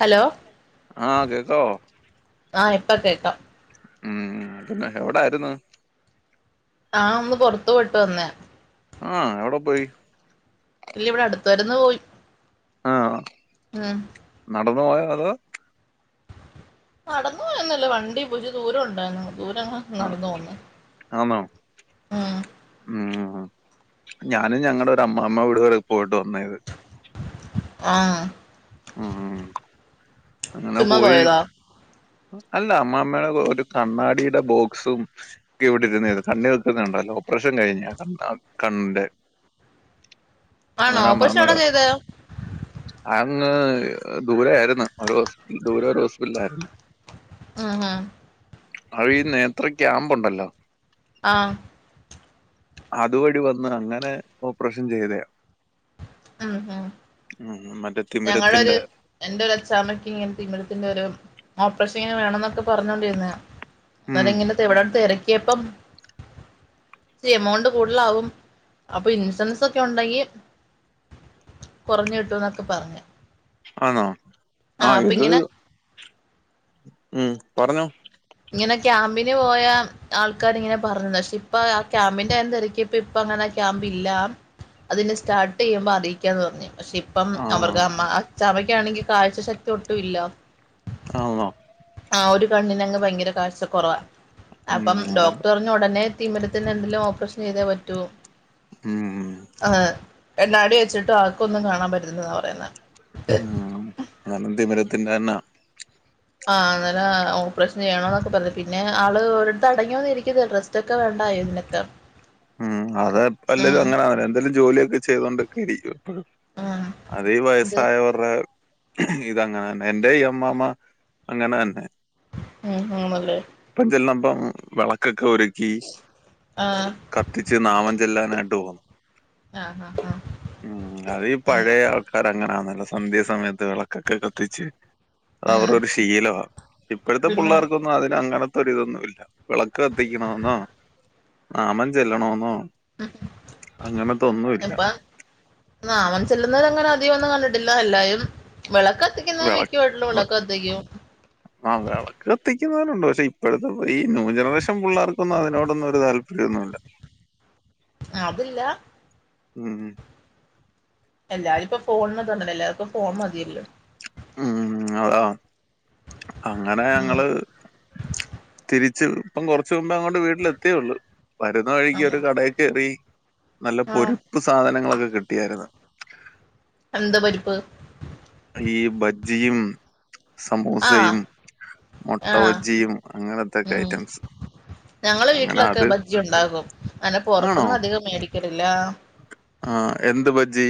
Hello ആഹ് കേക്കാവോ ആഹ് ഇപ്പ കേക്കാം ഉം പിന്നെ എവടാരുന്നു ഞാ ഒന്ന് പൊറത്തുപോയിട്ടു വന്നയാ ആഹ് എവടെ പോയി ഇല്ല ഇവടെ അടുത്ത് വരേന്ന് പോയി ആഹ് ഉം നടന്നു പോയോ അതോ നടന്ന് പോയോന്നുവില്ല വണ്ടി ഇച്ചിരി ദൂരം ഒണ്ടാരുന്നു ദൂരങ്ങ് നടന്നു പോവുന്നേ ആന്നോ ഉം ഞാനും ഞങ്ങടെ ഒരു അമ്മാമ വീട് വരെ പോയിട്ട് വന്നേത് ആഹ് ഉം അങ്ങനെ ചുമ്മാ പോയി പോയതാ അല്ല അമ്മമ്മേടെ ഒരു കണ്ണാടിടെ ബോക്സും ക്കെ ഇവടെരുന്നത് കണ്ണി വെക്കുന്നുണ്ടല്ലോ ഓപ്പറേഷൻ കഴിഞ്ഞ ആ കണ്ണിന്റെ ആണോ അങ്ങനെ ഓപ്പറേഷൻ എവടാ അമ്മാമ്മയുടെ ചെയ്തേ? അങ്ങ് ദൂരെ ആരുന്ന് ഒരു ഹോസ്പിറ്റ ദൂരെ ഒരു ഹോസ്പിറ്റലിൽ ആരുന്നു. ആഹ് ആഹ് അത് ഈ നേത്ര ക്യാമ്പോണ്ടല്ലോ ആഹ് അതുവഴി വന്ന് അങ്ങനെ ഓപ്പറേഷൻ ചെയ്തേയാ ഉം ഉം ഉം മറ്റേ ഞങ്ങടെ ഒരു തിമിരത്തിന്റെ എന്റെ ഒരു അച്ചാമ്മക്ക് ഇങ്ങനെ തീമിരത്തിന്റെ ഒരു ഓപ്പറേഷൻ ഇങ്ങനെ വേണംന്നൊക്കെ പറഞ്ഞോണ്ടിരുന്ന ഉം അന്നേരം ഇങ്ങനെ എവടാണ്ട് തെരക്കിയപ്പം ഇച്ചിരി എമൗണ്ട് കൂടുതലാവും അപ്പോ ഇൻഷുറൻസ് ഒക്കെ ഒണ്ടെങ്കി കൊറഞ്ഞു കിട്ടുന്നൊക്കെ പറഞ്ഞു. ആണോ ആഹ് ഇത് ഇങ്ങനെ ഉം പറഞ്ഞോ ഇങ്ങനെ ക്യാമ്പിന് പോയാ ആൾക്കാർ ഇങ്ങനെ പറഞ്ഞതാ പക്ഷേ ഇപ്പ ആ ക്യാമ്പിന്റെ കാര്യം തെരക്കിപ്പ ഇപ്പ അങ്ങനെ ആഹ് ക്യാമ്പ് ഇല്ല അതിനി സ്റ്റാർട്ട് ചെയ്യുമ്പോ അറി ക്കാന്ന് പറഞ്ഞു പക്ഷേ ഇപ്പം ആ അവർക്ക് അമ്മ അച്ചാമ്മയ്ക്കാണെങ്കി കാഴ്ച ശക്തി ഒട്ടുവില്ല. ആണോ ആഹ് ഒരു കണ്ണിനങ്ങ് ഭയങ്കര കാഴ്ച കൊറവാ ഉം അപ്പം അതെ. ഡോക്ടറ് പറഞ്ഞു ഒടനെ തിമിരത്തിന്റെ എന്തേലും ഓപ്പറേഷൻ ചെയ്തേ പറ്റൂ. ഉം ആഹ് കണ്ണാടി വെച്ചിട്ട് ആക്കൊന്നും കാണാൻ പറ്റുന്നില്ലെന്നാ പറയുന്നേ ഉം അന്നേരം തിമിരത്തിന്റെ തന്നാ. ആഹ് അന്നേരാ ഓപ്പറേഷൻ ചെയ്യണോന്നൊക്കെ പറഞ്ഞ്, പിന്നെ ആള് ഒരിടത്ത് അടങ്ങിയൊതുങ്ങി ഇരിക്കില്ല റെസ്റ്റ് ഒക്കെ വേണ്ടായോ ഇതിനൊക്കെ. [inaudible] ഉം അത് എല്ലരും ഉം അങ്ങനാ. എന്തേലും ജോലിയൊക്കെ ചെയ്തോണ്ടൊക്കെ ഇരിക്കും എപ്പഴും. ഉം അതീ ഇത് വയസ്സായവർടെ ഇതങ്ങനെ തന്നെ. എന്റെ ഈ അമ്മാമ്മ അങ്ങനെ തന്നെ. ഉം ഉം അതെ. ഇപ്പം ചെന്നപ്പം വിളക്കൊക്കെ ഒരുക്കി. ആഹ് കത്തിച്ച് നാമം ചെല്ലാനായിട്ട് പോകുന്നു. ആഹ് ഹാ ഹാ ഉം അതീ പഴയ ആൾക്കാരങ്ങനാന്നല്ലോ സന്ധ്യ സമയത്ത് വിളക്കൊക്കെ കത്തിച്ച്. അതവർടെ ആഹ് ഒര് ശീലവാ. ഇപ്പെഴത്തെ പിന്നെ പിള്ളേർക്കൊ ന്നും അതിന് അങ്ങനത്തെ ഒരിതൊന്നും ഇല്ല. വിളക്ക് കത്തിക്കണം എന്നോ നാമം ചെല്ലണോന്നോ ഇപ്പം നാമം ചെല്ലുന്നത് അങ്ങനെ അധികം ഒന്നും കണ്ടിട്ടില്ല എല്ലായും വിളക്ക് ക ത്തിക്കുന്നത് വിള മിക്ക വീട്ട്ലും വിളക്ക് കത്തിക്കും. ആഹ് വിളക്ക് കത്തിക്കുന്നോലുണ്ട് പക്ഷെ ഇപ്പഴത്തെ ഈ ന്യൂ ജനറേഷൻ പിള്ളേർക്കൊന്നും അതിനോടൊന്നും ഒരു താല്പര്യൊന്നുല്ല. അതില്ല. ഉം. എല്ലാരും പ്പം ഫോൺന്ന് [unintelligible] എല്ലാർക്കും ഫോൺ മതിയല്ലോ. ഉം അതാ. അങ്ങനെ ഉം ഞങ്ങള് തിരിച്ച് ഇപ്പം കൊറച്ച് മുമ്പേ അങ്ങോണ്ട് വീട്ടിലെത്തിയൊള്ളു. വരുന്ന വഴിക്ക് ആന്നോ ഒരു കടേ കേറി നല്ല ആഹ് പൊരുപ്പ് സാധനങ്ങളൊക്കെ കിട്ടിയായിരുന്ന്. എന്ത് പൊരിപ്പ്? ഈ ബജ്ജിയും ആഹ് സമോസയും മൊട്ട ആഹ് ബജ്ജിയും. അങ്ങനെ ഉം ഐറ്റംസ് ഞങ്ങളെ വീട്ടിലൊക്കെ അത് ബജ്ജി ഉണ്ടാകും അങ്നെ പൊറത്ത്ന്നധികം മേടി ക്കലില്ലാ. ആഹ് എന്ത് ബജ്ജീ?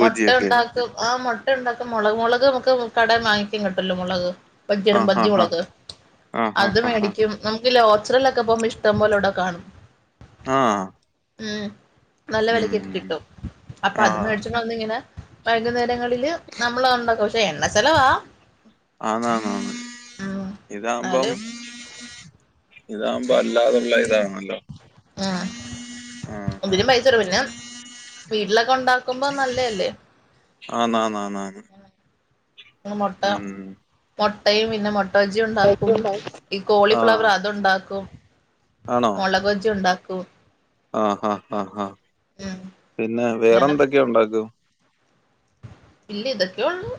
മൊട്ട ഉണ്ടാക്കും ആഹ് മൊട്ട ഉണ്ടാക്കും മുളക് മുളക് നമുക്ക് കടേന്ന് വാങ്ങിക്കാൻ കിട്ടല്ലോ മുളക്. [unintelligible] ആഹ് ബജ്ജി ആഹ് മുളക് ആഹ് അത് ആഹ് ആഹ് മേടിക്കും. നമുക്ക് ലോച്ചറേലൊക്കെ പോവുമ്പോ ഇഷ്ടം പോലെ ഇവിടെ കാണും. ആഹ്. ഉം. നല്ല വെലക്കൊക്കെ ഉം കിട്ടും അപ്പൊ അത് മേട് ആഹ് ന്നിങ്ങനെ വൈകുന്നേരങ്ങളില് നമ്മളതുണ്ടാക്കും. പക്ഷെ എണ്ണ ചെലവാ. ആന്നാന്നാന്ന് ഉം ഇതാവുമ്പം എന്നാലും ഇതാവുമ്പോ അല്ലാതുള്ള ഇതാണല്ലോ. ആഹ്. ആഹ് ആഹ് ഇതിനും പൈസൊട് പിന്നെ വീട്ടിലൊക്കെ ഉണ്ടാക്കുമ്പോ നല്ല അല്ലേ? ആന്നാന്നാന്നാന്ന്. ന്ന് മൊട്ട ഉം മൊട്ടയും പിന്നെ മൊ ട്ട ബജ്ജി ഉണ്ടാക്കും ഈ ആഹ് കോളിഫ്ലവർ അതുണ്ടാക്കും. ആണോ മൊളക് ബജ്ജി ഉണ്ടാക്കും. ആഹ് ഹാ ഹാ ഹാ. ഉം പിന്നെ അങ്ങനെ വേറെന്തൊക്കെ ഉണ്ടാക്കും? ഇല്ല ഇതൊക്കെയൊള്ളൂ.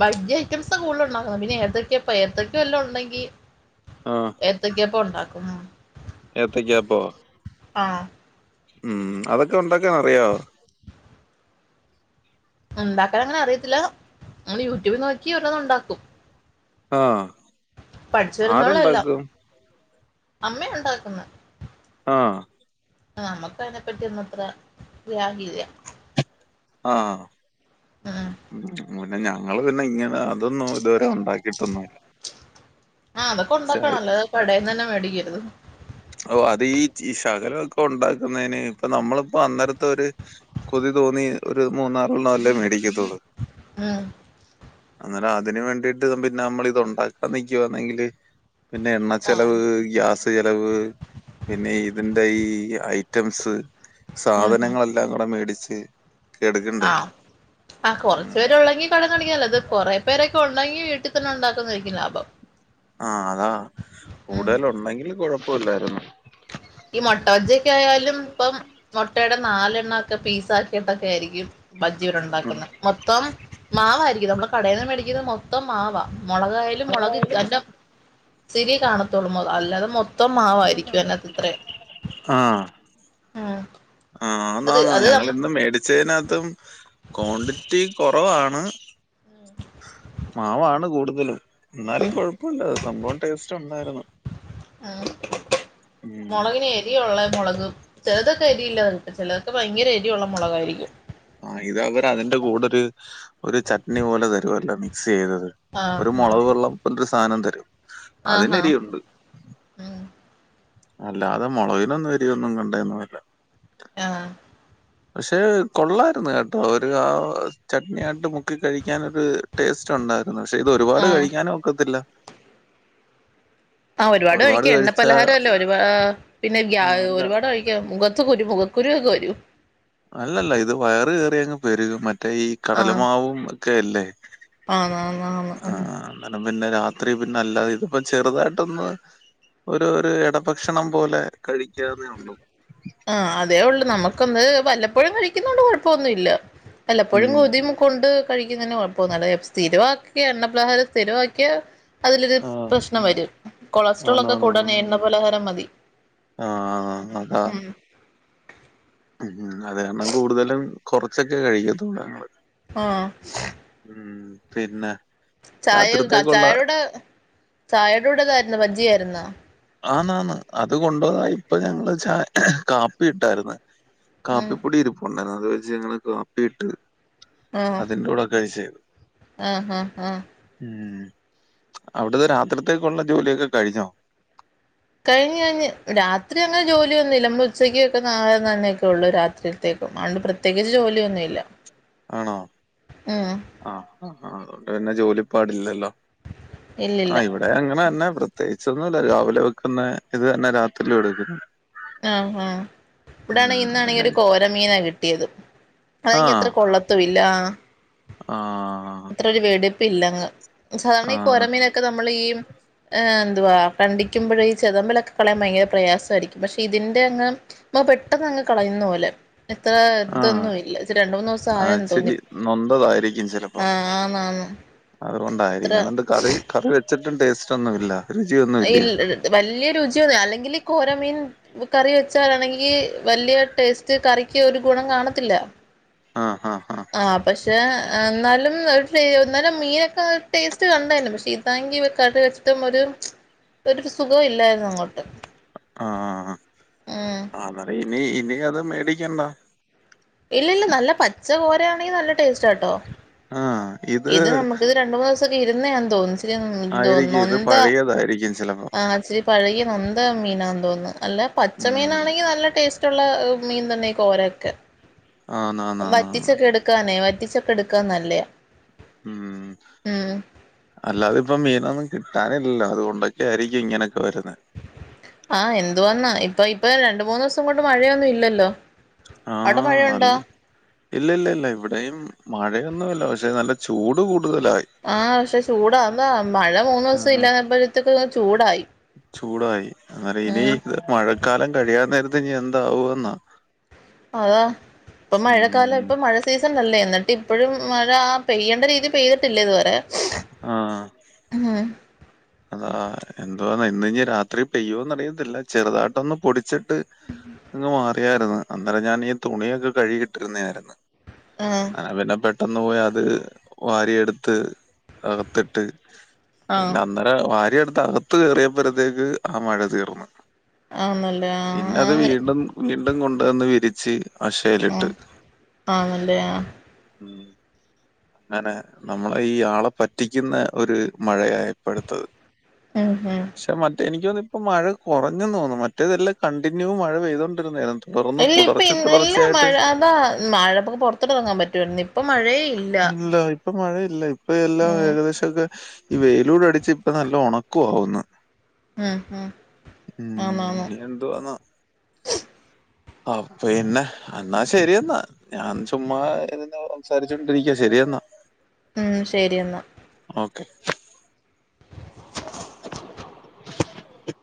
ബജ്ജ് ഐറ്റംസാ കൂടുതലുണ്ടാക്ക്ന്നെ. പിന്നെ ഏത്തക്ക്യപ്പം ഏത്തക്ക്യ വല്ലതു ഉണ്ടെങ്കി ആഹ് എത്തയ്ക്ക പ്പോണ്ടാക്കും. എത്തക്കയപ്പോ? ആഹ് ഉം അതൊക്കെ ഉണ്ടാക്കാനറിയോ? ഉണ്ടാക്കാൻ അങ്ങനെ അറിയത്തില്ല നമ്മൾ യൂട്യൂബി നോക്കി ഒരോന്ന് ഉണ്ടാക്കും. ആഹ് പഠിച്ചു വരുന്നോളല്ലാം ആരുണ്ടാക്കും അമ്മയണ്ടാക്കു ആഹ് നമുക്ക് അയ്നെപ്പറ്റിയന്നും അത്ര ഗ്രാഹിയമില്ല ആഹ് ഉം മുന്നെ ഞങ്ങള് പിന്നെ ഇങ്ങനെ അതൊന്നും ഇതുവരെ ഉണ്ടാക്കിട്ടൊന്നുംല്ല. ആഹ് അതക്കെ ഉണ്ടാക്കണല്ല കടയിന്നന്നെ മേടിക്കരുത്. ഓ അത് ഈ ശകലമൊക്കെ ഉണ്ടാക്കുന്നതിന് ഇപ്പൊ നമ്മളിപ്പോ അന്നരത്തെരു കൊതി തോന്നി ഒരു മൂന്നാറെണ്ണം അല്ലേ മേടിക്കത്തുള്ളൂ? ആഹ് അന്നേര അതിന് വേണ്ടിട്ട് പിന്നെ നമ്മള ഇത് ഉണ്ടാക്കാൻ നക്കുവന്നെങ്കില് പിന്നെ എണ്ണ ആഹ് ചെലവ് ഗ്യാസ് ചെലവ് പിന്നെ ഇതിന്റെ ഈ ഐറ്റംസ് ഉം ഉം സാധനങ്ങളെല്ലാം കൂടെ മേടിച്ച് എടുക്കണ്ടേ ആഹ് ആഹ് ഉം കുറച്ചുപേര് ഉ ള്ളെങ്കി കടെന്ന് മേടിക്കാലോ അത് കുറേ പേരൊക്കെ ഉണ്ടെങ്കി വീട്ടി തന്നെ ഉണ്ടാക്കുന്നതായക്കും ലാഭം. ആഹ് അതാ ഉം കൂടുതലുണ്ടെങ്കിൽ കുഴപ്പല്ലായിരുന്നു. ഈ മുട്ട വജിക്കെ ആയാലും ഇപ്പം മുട്ടയുടെ നാലെണ്ണ ഒക്കെ പീസ ആക്കിട്ടൊക്കെയായി രിക്കും. ഉം ബജ്ജിവരുണ്ടാക്കുന്ന മൊത്തം മാവായിരിക്കും നമ്മൾ കടയിന്ന് മേടിക്കുന്ന മൊത്തം മാവ മുളകായി മുളക് ന്റെ ച്ചീരിയെ കാണത്തോളു അല്ലാതെ മൊത്തം മാവായിരിക്കും അയനത്ത് ത്രേ ആഹ് ആ ഹ് ആഹ് ആന്നാന്ന് ഞങ്ങൾ ഇന്നും മേട ച്ചനകത്തും ക്വാണ്ടിറ്റി കുറവാണ്. മാവാണ് കൂടുതലും ഉം എന്നാലും കുഴപ്പമില്ല സംഭവം ടേസ്റ്റ് ഉണ്ടായിരുന്നു. ആഹ് ഉം മുളകിനെ. ഇ ഉള്ള മുളക് ചിലതൊക്കെ എരിയില്ലാതെ കിട്ടും ചിലതൊക്കെ ഭയങ്കര എരിയുള്ള മുളകായിരിക്കും. ആഹ് ഇത് അവര് അതിന്റെ കൂടെ ഒരു ഒരു ചട്നി പോലെ തരുവല്ലോ മിക്സ് ചെയ്തത്. ആഹ് ഒരു ആഹ് മുളക് വെള്ളം എന്തൊരു സാധനം തരും അതിന് ആഹാ എരിവുണ്ട്. ഉം അല്ലാതെ മുളകിനൊന്നും എരിയൊന്നും കണ്ടയൊന്നുമില്ല. ആഹ്. പക്ഷെ കൊള്ളാരുന്നു കേട്ടോ ഒരു ആഹ് ചട്നിയായിട്ട് മുക്കി കഴിക്കാൻ ഒരു ടേസ്റ്റ്. ഉണ്ടായിരുന്നു പക്ഷെ ഇത് ഒരുപാട് ആഹ് കഴിക്കാനും ഒക്കത്തില്ല. ആഹ് ഒരു പാട് ഒരുപാട് കഴിക്കും എണ്ണ കഴിച്ചാ പലഹാരം അല്ലേ ഒരുപാ പിന്നെ ഗ്യ ഒരുപാട് കഴിക്കാ. മുഖത്ത് കുരു മുഖക്കുരുവൊക്കെ വരും. അല്ലല്ല ഇത് വയറ് കയറി അങ്ങ് പെ രു ക്കും മറ്റേ ഈ കടലമാവും ഒക്കെ അല്ലേ. ആന്നാ ആന്നാ ആന്നാ ആന്നു അന്നേരം പിന്നെ രാത്രി പിന്നെ അല്ലാതെ ഇതിപ്പ ചെറുതായിട്ടൊന്ന്. ഒരു ഒരു ഇടഭക്ഷണം പോലെ കഴിക്കാന്നേള്ളൂ. ആഹ് അതേ ഉള്ളൂ നമുക്കൊന്ന് വല്ലപ്പോഴും കഴിക്കുന്ന കൊണ്ട് കുഴപ്പമൊന്നുമല്ല വല്ലപ്പോഴും കൊതി കൊണ്ട് കഴിക്കുന്നതിന് കൊഴപ്പൊന്നുല്ല ഇപ്പ സ്ഥിരവാക്കിയ എണ്ണപ്പലഹാരം സ്ഥിരമാക്കിയ. അതിലൊരു ആ. പ്രശ്നം വരും കൊളസ്ട്രോൾ ഒക്കെ കൂടാൻ ആന്നാന്നാന്നാന്ന്. എണ്ണ പലഹാരം മതി. ആ ആ അ ഒകെ അ ഉ അത് കാരണം കൂടുതലും കുറച്ചൊക്കെ കഴിക്കത്തൊള്ള് ഞങ്ങള്. ആഹ് ഉം പിന്നെ. ചായൊക്കെ കാച്ച രാത്രിത്തേക്കുള്ള ചായുട് ചായയുടെ കൂടെ എന്തായിരുന്നു ബജ്ജി ആയിര്ന്നാ ആന്ന് ആന്ന് അത് കൊണ്ട് താ ഇപ്പൊ ഞങ്ങള് ചാ കാപ്പി ഇട്ടായിര്ന്ന് ഉം കാപ്പിപ്പൊടി ഇരിപ്പുണ്ടായിരുന്നു അത് വെച്ച് ഞങ്ങള് കാപ്പിയിട്ട്. ആഹ് അതിന്റെ കൂടെ കഴിച്ച് ആഹ് ആഹ് ആഹ് ഉം അവിടത്തെ രാത്രിത്തേക്കുള്ള ജോലിയൊക്കെ കഴിഞ്ഞോ? കഴിഞ്ഞ് കഴിഞ് രാത്രി അങ്ങനെ ജോലിയൊന്നുല്ല നമ്മൾ ഉച്ചയ്ക്ക് വയ്ക്കുന്ന ആഹാരം തന്നെയൊക്കെ ഉള്ളു രാത്രിക്ക് ത്തേക്കും അതോണ്ട് പ്രത്യേകിച്ച് ജോലിയൊന്നും ഇല്ല ആണോ? ഉം ആഹ് അതുകൊണ്ട് പിന്നെ ജോലി പാടില്ലല്ലോ ഇല്ലില്ല ആ ഇവടെ അങ്ങനെ തന്നെ പ്രത്യേകിച്ച് ഒന്നും ഇല്ല രാവിലെ വെക്കുന്ന ഇത് തന്നെ രാത്രി എടുക്കുന്നത് ആ ഹാ ഇവിടാണെ ഇന്നാണെങ്കി അതന്നെ. ഒരു കോരമീനാ കിട്ടിയത് അതെങ്കി ആഹ്. അത്ര കൊള്ള- ത്തുവില്ലാ ആഹ് ആഹ് അത്ര ഒരു വെടിപ്പില്ലങ്ങ് സാധാരണ ഈ കോര ആഹ്. മീനൊ- ഒക്കെ നമ്മൾ ഈ മ് ഏ എന്തുവാ കണ്ടിക്കുമ്പഴേ ഈ ചെതമ്പലൊക്കെ കളയാൻ ഭയങ്കര പ്രയാസമായിരിക്കും. പക്ഷെ ഇതിന്റെ അങ്ങ് നമ്മ പെട്ടന്ന് അങ്ങ് കളയുന്ന പോലെ. ഇത്ര ആഹ്. ഇതൊന്നും ഇല്ല ഇത് രണ്ട് മൂന്ന് ദിവസം ആഹ് ആയെന്ന് തോന്നി ഇച്ചിരി ആന്ന് ആന്ന് അതുകൊണ്ടായിരിക്കാം ന്നട്ട് കറി കറി വെച്ചിട്ടും ടേസ്റ്റ് ഒന്നും ഇല്ല. ഇല്ല വല്ല്യ രുചിയൊന്നും അല്ലെങ്കിലും ഈ കോരമീൻ. കറി വെച്ചാലാണെങ്കി വലിയ ടേസ്റ്റ് കറിക്ക് ഒരു ഗുണം കാണത്തില്ല. ആ ഹാ ആഹ് പക്ഷെ എന്നാലും ഒരു ട്ടേ എന്നാലും മീനൊക്കെ ഒരു ടേസ്റ്റ് കണ്ടായിരുന്നു പക്ഷെ ഇതാണെങ്കി കറി വെച്ചിട്ടും ഒരു. ഒരു സുഖം ഇല്ലായിരുന്നു അങ്ങോട്ട്. ആ ഉം അ ഹ അന്നേരം ഇനി ഇനി അത് മേടിക്കണ്ടാ. ഇല്ല ഇല്ല നല്ല പച്ച കോര ആണെങ്കിൽ നല്ല ടേസ്റ്റ്ണ്ടാവും ആഹ് ഇത് നമുക്ക് ഇത് രണ്ട് മൂന്ന് ദിവസൊക്കെ ഇരുന്നെയാന്ന് തോന്നുന്നു. തോന്നുന്നു ഇത് ആയിരിക്കും നൊന്ത പഴയതായിരിക്കും ചിലപ്പം. ആഹ് ഇച്ചിരി പഴകിനൊന്ത മീനാന്ന് തോന്നുന്നു അല്ല ഉം. പച്ചമീനാണെങ്കി നല്ല ടേസ്റ്റ്- റ്റ്ള്ള മീൻ തന്നെ ഈ കോരൊക്കെ ആന്നാന്നാന്നാന്ന്. വറ്റിച്ചൊക്കെ എട്- ക്കാനെ വറ്റിച്ചൊക്കെട്ക്കാൻ ന്നല്ലയാ ഉം അല്ലാതെ ഇപ്പൊ മീനൊന്നും കിട്ടാനില്ലല്ലോ അതുകൊണ്ടൊക്കെ ആയിരിക്കും ഇങ്ങനെക്കെ വരുന്നെ. ആഹ് എന്തോന്നാ ഇപ്പൊ ഇപ്പ രണ്ട്മൂന്ന് ദിവസം കൊണ്ട് മഴയൊന്നും ഇല്ലല്ലോ അവിടെ ആഹ് മഴയുണ്ടോ നല്ല- ഇല്ല ല്ല ഇല്ല ഇവിടെയും മഴയൊന്നുല്ല പക്ഷെ നല്ല ചൂട് കൂടുതലായി. ആഹ് പക്ഷെ ചൂടാ എന്താ മഴ മൂന്നുസം ആഹ്. ഇല്ലാതായപ്പഴ്‌ത്തേക്കും അങ്ങ് ചൂടായി ചൂടായി അങ്ങനെ ഇനി ഉം മഴക്കാലം കഴിയാ നേരത്ത് ഇനി എന്താവോ ന്നാ അതാ ഇപ്പം മഴക്കാലം ഉം. ഇപ്പൊ മഴ സീസൺ അല്ലേ ന്നിട്ട് ഇപ്പോഴും മഴ ആ പെയ്യണ്ട രീതി പെയ്തിട്ടില്ല ഇതുവരെ ആഹ് ഉം അതാ എന്തോന്ന ഇന്ന് ഇഞ്ഞിരാത്രി പെയ്യോന്നറിയത്തില്ല ചെറുതായ്ട്ടൊന്ന് പൊടിച്ച് ണ്ട് അങ്ങ് മാറിയായിരുന്നു അന്നേരം ഞാനീ തുണിയൊക്കെ കഴുകിട്ടിരുന്നായിരുന്നു ആഹ് അത് പിന്നെ പെ ട്ടെന്ന് പോയി അത് വാരിയെടുത്ത് അകത്തിട്ട് പിന്നെ ആഹ് അന്നേരം വാരിയെടുത്ത് അകത്ത് കേറിയപ്പഴത്തേക്ക് ആ മഴ തീർന്നു ആന്നല്ലേ പിന്നെ അത് ആന്നെ വീണ്ടും വീണ്ടും കൊണ്ടുവന്ന് വിരിച്ച് അശയിലിട്ട് ആഹ് ആന്നല്ലേ ആഹ് അങ്ങനെ നമ്മളെ ഈ ആളെ പറ്റിക്കുന്ന ഒരു മഴയായി പ്പടുത്ത് ഉം ഉം പക്ഷെ മറ്റേ എനിക്ക് തോന്ന ഇപ്പം മഴ കുറഞ്ഞെന്ന്തോന്നുന്നു മറ്റേതെല്ലാ കണ്ടിന്യൂ മഴ പെയ്തോണ്ടിരുന്നയിരുന്നു ഇല്ല ഇപ്പൊ ഇ ഇല്ല മഴ അതാ മഴപൊ പുറത്തോട്ടിറങ്ങാൻ പറ്റുവായിരുന്നോ ഇപ്പൊ മഴയേ ഇല്ല ഇല്ല ഇപ്പൊ മഴയില്ല ഇപ്പഎല്ലാ ഉം ഏകദേശൊക്കെ ഈ വെയിലൂടടിച്ച് ഇപ്പൊ നല്ല ഉണക്കവാവുന്നു ഉം ഉം ഉം ആന്നാന്ന് ഇനി എന്തുവാന്നാ. അപ്പിന്നെ എന്നാ ശരിയെന്നാ ഞാൻ ചുമ്മാ ഇരുന്ന് സംസാരിച്ചോണ്ടിരിക്ക ശരിയെന്നാ ഉം ശരി എന്നാ. ഓക്കെ. [inaudible]